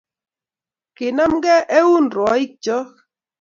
kenam keun rwoik chok